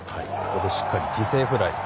ここでしっかり犠牲フライ。